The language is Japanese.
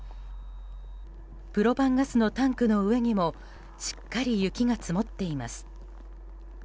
プロパンガスのタンクの上にもしっかり雪が積もっています。